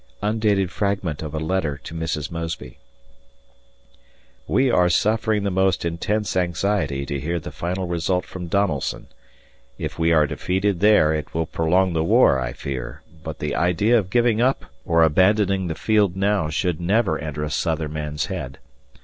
[Undated fragment of a letter to Mrs. Mosby.] We are suffering the most intense anxiety to hear the final result from Donelson, if we are defeated there it will prolong the war, I fear, but the idea of giving up or abandoning the field now should never enter a Southern man's head.